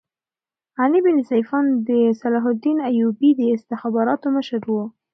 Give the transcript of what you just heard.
علي بن سفیان د صلاح الدین ایوبي د استخباراتو مشر وو